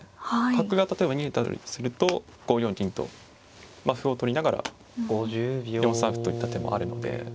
角が例えば逃げたとすると５四銀と歩を取りながら４三歩といった手もあるので。